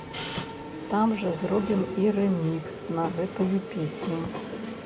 Там жа зробім і рэмікс на гэтую песню.